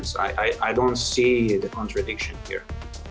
saya tidak melihat kontradisi di sini